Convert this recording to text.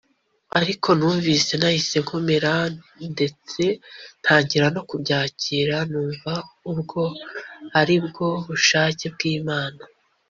ariko numvise nahise nkomera ndetse ntangira no kubyakira numva ubwo aribwo bushake bw’Imana